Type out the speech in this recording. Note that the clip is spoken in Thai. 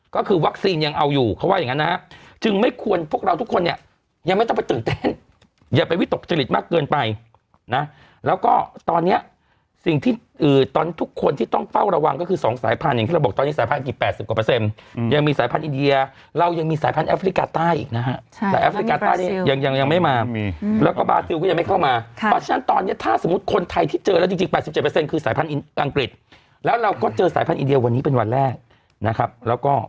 ก็คือวัคซีนยังเอาอยู่เพราะว่าอย่างนั้นนะครับจึงไม่ควรพวกเราทุกคนเนี่ยยังไม่ต้องไปตื่นเต้นอย่าไปวิตกเจริตมากเกินไปนะแล้วก็ตอนนี้สิ่งที่ตอนทุกคนที่ต้องเฝ้าระวังก็คือสองสายพันธุ์อย่างที่เราบอกตอนนี้สายพันธุ์กี่๘๐กว่าเปอร์เซ็นต์ยังมีสายพันธุ์อินเดียเรายังมีสายพันธุ์แอฟริกา